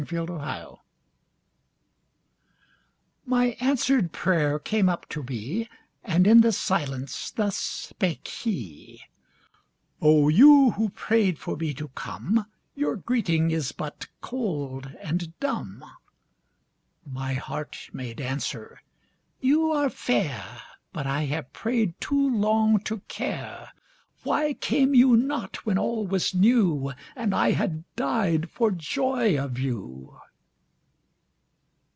The Prayer My answered prayer came up to me, And in the silence thus spake he: "O you who prayed for me to come, Your greeting is but cold and dumb." My heart made answer: "You are fair, But I have prayed too long to care. Why came you not when all was new, And I had died for joy of you."